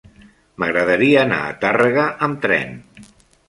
M'agradaria anar a Tàrrega amb tren.